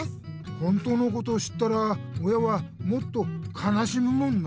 本当のことを知ったら親はもっとかなしむもんなあ。